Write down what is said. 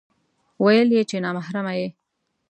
ويل يې چې نا محرمه يې